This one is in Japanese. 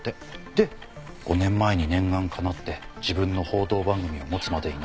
で５年前に念願かなって自分の報道番組を持つまでになった。